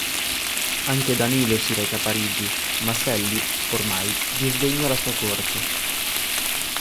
Anche Danilo si reca a Parigi, ma Sally, ormai, disdegna la sua corte.